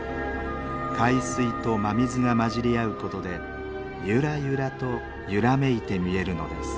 海水と真水が混じり合うことでゆらゆらと揺らめいて見えるのです。